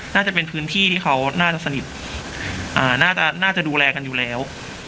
น่าจะเป็นพื้นที่ที่เขาน่าจะสนิทน่าจะน่าจะดูแลกันอยู่แล้ว